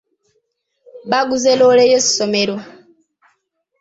Baaguze loole y'essomero.